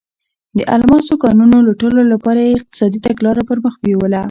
د الماسو کانونو لوټلو لپاره یې اقتصادي تګلاره پر مخ بیوله.